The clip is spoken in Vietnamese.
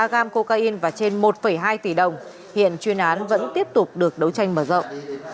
hai mươi năm ba g cocaine và trên một hai tỷ đồng hiện chuyên án vẫn tiếp tục được đấu tranh mở rộng